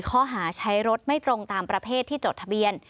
ข้อหาใช้รถไม่ตรงตามประเภทที่จดทะเบียน